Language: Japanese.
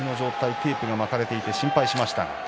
テープが巻かれていて心配しました。